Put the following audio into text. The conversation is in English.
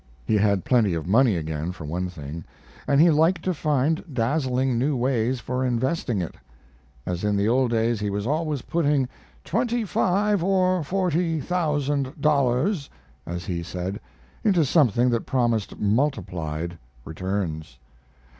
He had plenty of money again, for one thing, and he liked to find dazzlingly new ways for investing it. As in the old days, he was always putting "twenty five or forty thousand dollars," as he said, into something that promised multiplied returns.